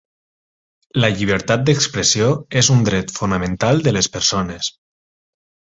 La llibertat d'expressió és un dret fonamental de les persones.